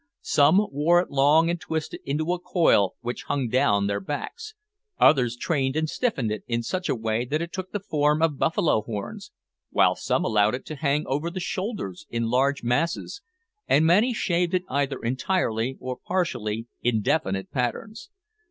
Some wore it long and twisted into a coil which hung down their backs; others trained and stiffened it in such a way that it took the form of buffalo horns, while some allowed it to hang over the shoulders in large masses, and many shaved it either entirely, or partially in definite patterns.